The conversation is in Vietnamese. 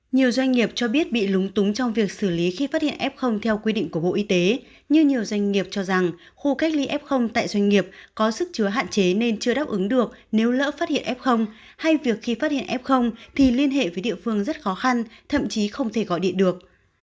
nhiều doanh nghiệp cho biết bị lúng túng trong việc xử lý khi phát hiện f theo quy định của bộ y tế như nhiều doanh nghiệp cho rằng khu cách ly f tại doanh nghiệp có sức chứa hạn chế nên chưa đáp ứng được nếu lỡ phát hiện f hay việc khi phát hiện f thì liên hệ với địa phương rất khó khăn thậm chí không thể gọi điện được